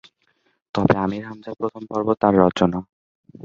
তবে আমির হামজা প্রথম পর্ব তাঁর রচনা।